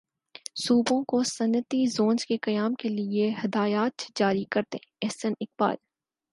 صوبوں کو صنعتی زونز کے قیام کیلئے ہدایات جاری کردیں احسن اقبال